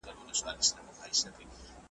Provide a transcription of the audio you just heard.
ما منلی یې پر تا مي صبر کړی `